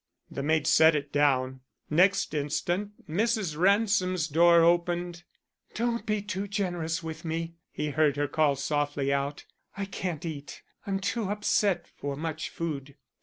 The maid set it down. Next instant Mrs. Ransom's door opened. "Don't be too generous with me," he heard her call softly out. "I can't eat. I'm too upset for much food.